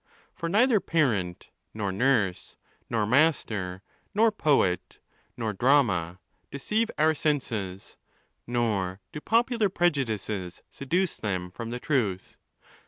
For neither parent, nor nurse, nor master, nor poet, nor drama, deceive our senses ; nor do popular preju dices seduce them from the truth.